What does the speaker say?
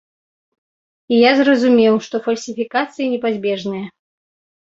І я зразумеў, што фальсіфікацыі непазбежныя.